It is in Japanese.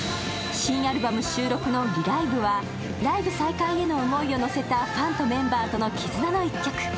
新アルバム収録の「Ｒｅ：ＬＩＶＥ」はライブ再開への思いを乗せたファンとメンバーとの絆の一曲。